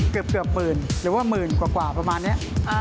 เกือบปึ่นหรือว่า๑๐๐๐๐บาทกว่าประมาณนี้